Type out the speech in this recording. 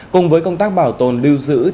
cùng với công tác bảo tồn lưu giữ